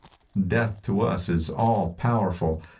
Death to us is all powerful.